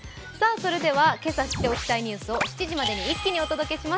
それでは今朝知っておきたいニュースを７時までに一気にお届けします。